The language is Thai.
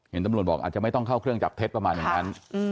เห็นตำรวจบอกอาจจะไม่ต้องเข้าเครื่องจับเท็จประมาณอย่างนั้น